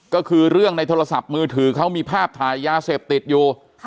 ก็คือเรื่องในโทรศัพท์มือถือเขามีภาพถ่ายยาเสพติดอยู่